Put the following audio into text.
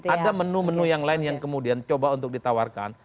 ada menu menu yang lain yang kemudian coba untuk ditawarkan